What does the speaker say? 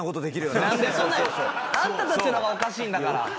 あんたたちの方がおかしいんだから。